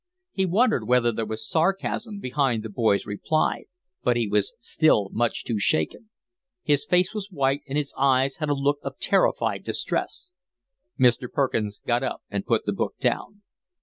He wondered whether there was sarcasm behind the boy's reply, but he was still much too shaken. His face was white and his eyes had a look of terrified distress. Mr. Perkins got up and put the book down.